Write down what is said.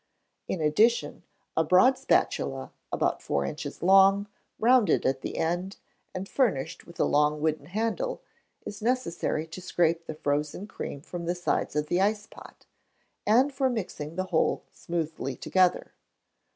In addition, a broad spatula, about four inches long, rounded at the end, and furnished with a long wooden handle, is necessary to scrape the frozen cream from the sides of the ice pot, and for mixing the whole smoothly together.